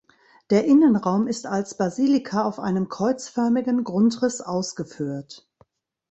Der Innenraum ist als Basilika auf einem kreuzförmigen Grundriss ausgeführt.